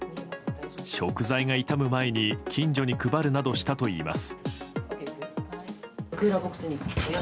食材が傷む前に近所に配るなどしたといいます。